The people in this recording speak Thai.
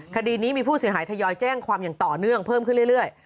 คดีนี้มีผู้เสียหายทยอยแจ้งความอย่างต่อเนื่องเพิ่มขึ้นเรื่อย